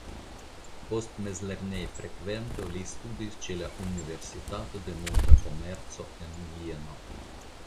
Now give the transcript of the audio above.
Post mezlernejfrekvento li studis ĉe la Universitato de Monda Komerco en Vieno.